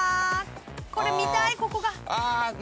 これ見たいここが。